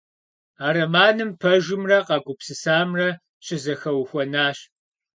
А романым пэжымрэ къэгупсысамрэ щызэхэухуэнащ.